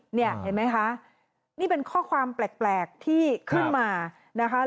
เห็นไหมคะนี่เป็นข้อความแปลกที่ขึ้นมานะคะ